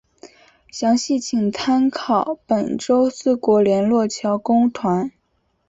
详细请参考本州四国联络桥公团。